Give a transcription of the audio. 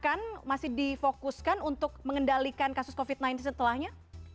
apakah masih difokuskan untuk mengendalikan kasus covid sembilan belas setelahnya